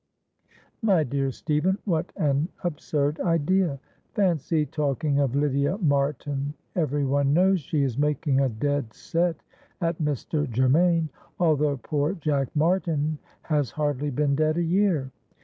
"My dear Stephen, what an absurd idea! Fancy talking of Lydia Martin, every one knows she is making a dead set at Mr. Germaine, although poor Jack Martin has hardly been dead a year.